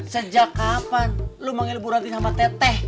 sejak kapan lo manggil buru ranti sama tete